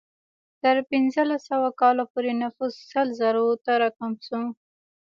تر پنځلس سوه کال پورې نفوس سل زرو ته راکم شو.